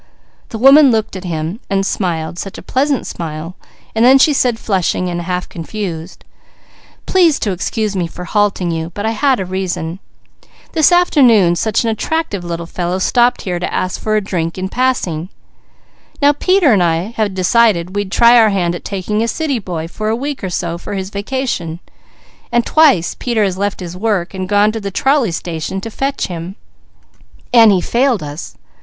The woman looked at him, and said flushing and half confused: "Please to excuse me for halting you, but I had a reason. This afternoon such an attractive little fellow stopped here to ask for a drink in passing. Now Peter and I had decided we'd try our hand at taking a city boy for a week or so for his vacation, and twice Peter has left his work and gone to the trolley station to fetch him, and he failed us.